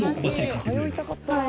通いたかったなあ。